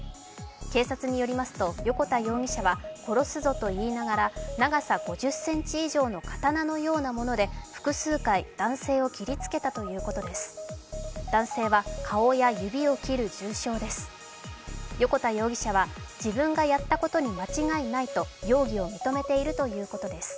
警察によりますと横田容疑者は、殺すぞと言いながら長さ５０ｃｍ以上の刀のようなもので複数回男性を切りつけたということです。